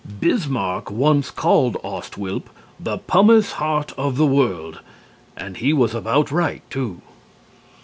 Bismarck once called Ost Wilp "the pumice heart of the world," and he was about right, too.